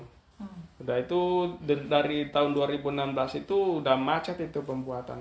sudah itu dari tahun dua ribu enam belas itu udah macet itu pembuatan